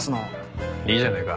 いいじゃねえか。